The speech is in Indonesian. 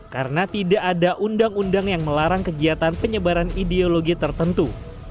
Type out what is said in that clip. karena tidak ada undang undang yang melarang kegiatan penyebaran ideologi tertentu